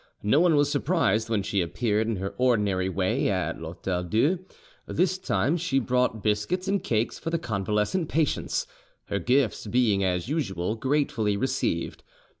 No one was surprised when she appeared in her ordinary way at l'Hotel Dieu. This time she brought biscuits and cakes for the convalescent patients, her gifts being, as usual, gratefully received.